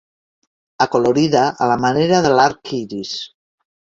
Acolorida a la manera de l'arc iris.